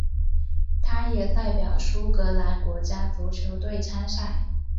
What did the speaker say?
他也代表苏格兰国家足球队参赛。